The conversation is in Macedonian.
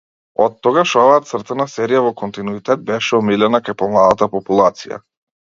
Оттогаш оваа цртана серија во континуитет беше омилена кај помладата популација.